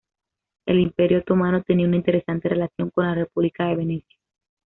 El Imperio otomano tenía una interesante relación con la República de Venecia.